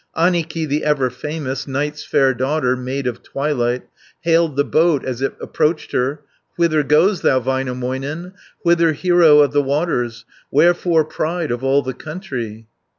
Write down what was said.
Annikki, the ever famous, Night's fair daughter, maid of twilight, Hailed the boat as it approached her: "Whither goest thou, Väinämöinen, Whither, hero of the waters, Wherefore, pride of all the country?"